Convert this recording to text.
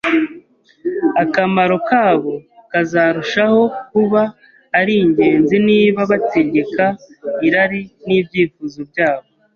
Akamaro kabo kazarushaho kuba ari ingenzi niba bategeka irari n’ibyifuzo byabo